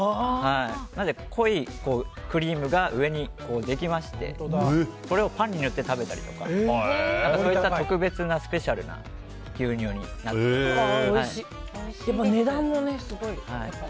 なので、濃いクリームが上にできましてそれをパンに塗って食べたりとかそういった特別なスペシャルな牛乳になっています。